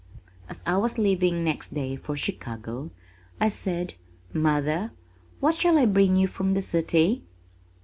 As I was leaving next day for Chicago, I said, "Mother, what shall I bring you from the city?"